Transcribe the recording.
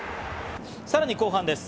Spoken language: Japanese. さらに後半です。